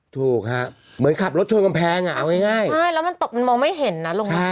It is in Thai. ถูกฮะเหมือนขับรถชนกำแพงอ่ะเอาง่ายใช่แล้วมันตกมันมองไม่เห็นนะลงมา